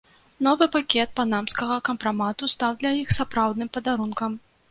Новы пакет панамскага кампрамату стаў для іх сапраўдным падарункам.